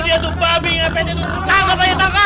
itu ada apa apa